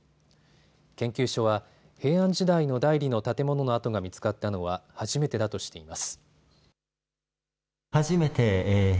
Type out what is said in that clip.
研究所は平安時代の内裏の建物の跡が見つかったのは初めてだとしています。